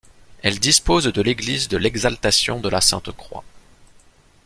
Elle dispose de l'église de l'Exaltation de la Sainte-Croix.